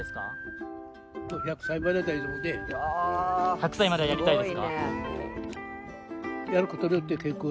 １００歳まではやりたいですか？